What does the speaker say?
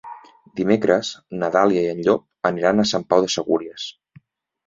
Dimecres na Dàlia i en Llop aniran a Sant Pau de Segúries.